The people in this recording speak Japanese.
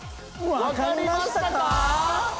分かりましたか？